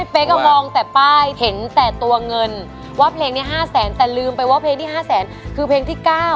เปลงกัสบ้านแต่ป้ายตั้งแต่ตัวเงินว่าเพลงที่๕๐๐แต่ลืมไปว่าเพลงที่๕๐๐คือเพลงที่๙